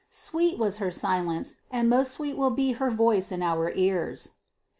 Sweet was her silence, and most sweet will be her voice in our ears.